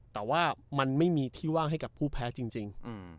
แต่ว่ามันไม่มีที่ว่างให้กับผู้แพ้จริง